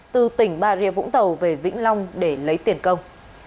từ tỉnh bà rịa vũng tàu về vĩnh long để lấy tiền công